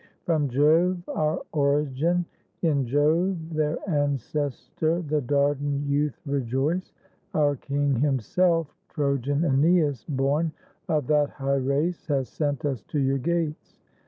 From Jove our origin; in Jove Their ancestor the Dardan youth rejoice. Our king himself, Trojan JEnesiS, born Of that high race, has sent us to your gates.